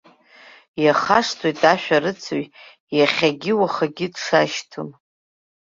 Иахашҭуеит ашәарыцаҩ иахьагьы-уахагьы дшашьҭоу.